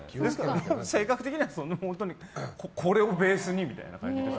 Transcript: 性格的にはこれをベースにみたいな感じです。